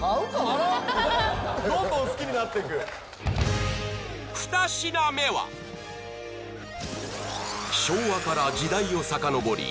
どんどん好きになってく二品目は昭和から時代を遡り